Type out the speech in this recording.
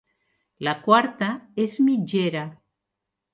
La quarta és mitgera.